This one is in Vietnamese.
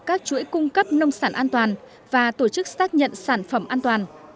các chuỗi cung cấp nông sản an toàn và tổ chức xác nhận sản phẩm an toàn